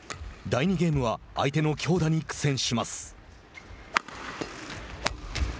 第２ゲームは相手の強打に苦戦します。